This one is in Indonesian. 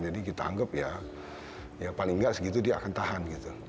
jadi kita anggap ya paling nggak segitu dia akan tahan gitu